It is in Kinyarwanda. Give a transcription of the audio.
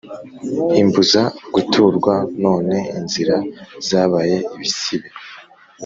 imbuza guturwa; none inzira zabaye ibisibe.